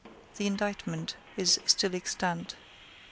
The indictment is still extant.